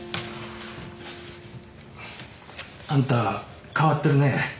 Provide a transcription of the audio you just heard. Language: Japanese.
あんた変わってるね。